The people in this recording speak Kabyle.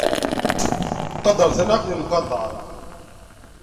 Qadret-aneɣ ad akun-qadrin.